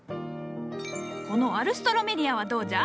このアルストロメリアはどうじゃ？